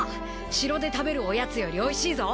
城で食べるおやつよりおいしいぞ。